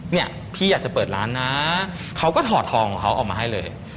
เนี่ยพี่อยากจะเปิดร้านนะเขาก็ถอดทองของเขาออกมาให้เลย